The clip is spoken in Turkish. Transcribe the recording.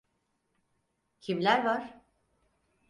Kimler var?